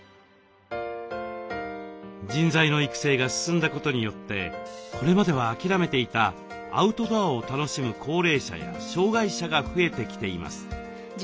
人材の育成が進んだことによってこれまでは諦めていたアウトドアを楽しむ高齢者や障害者が増えてきています。